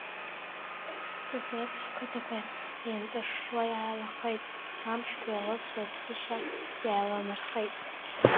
Са сеиԥш ҳқыҭақәа еимҵашшуа иааилахеит, амшқәа еилысуа иԥсышьа иааиланархеит.